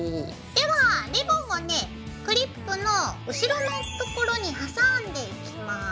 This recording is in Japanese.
ではリボンをねクリップの後ろのところに挟んでいきます。